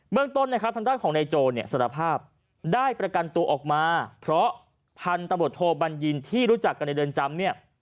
เบื้องต้นทางด้านของในโจสารภาพได้ประกันตัวออกมาเพราะพันธบทโทบัญญินที่รู้จักกันในเดือนจำ